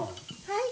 はい？